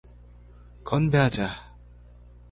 건배하자.